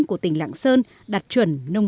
của tỉnh lăng